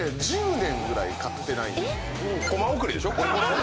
こま送りでしょ？